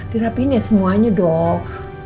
dirapihin ya semuanya dong